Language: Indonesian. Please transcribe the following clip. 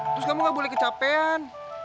terus kamu gak boleh kecapean